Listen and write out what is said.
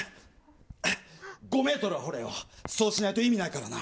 ５ｍは掘れよそうしないと意味ないからな。